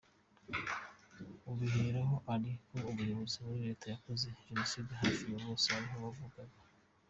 Abihera ko ari ho abayobozi muri Leta yakoze Jenoside hafi ya bose ariho bavukaga.